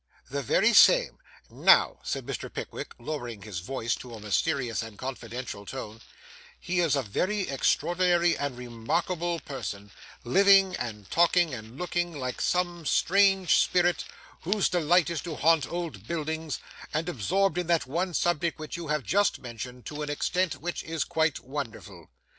'The very same. Now,' said Mr. Pickwick, lowering his voice to a mysterious and confidential tone, 'he is a very extraordinary and remarkable person; living, and talking, and looking, like some strange spirit, whose delight is to haunt old buildings; and absorbed in that one subject which you have just mentioned, to an extent which is quite wonderful.